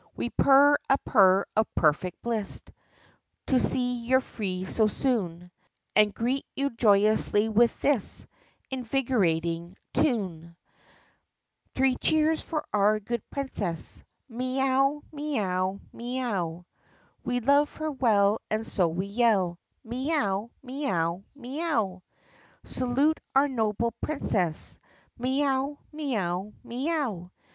We purr a purr of purrfect bliss To see you free so soon And greet you joyously with this Invigorating tune: THE PUSSYCAT PRINCESS 157 CHORUS Three cheers for our good Princess. 1 Mee ow! mee ow! mee ow! We love her well and so we yell Mee ow! mee ow ! mee ow! Salute our nohle Princess! Mee ow! mee ow! mee ow!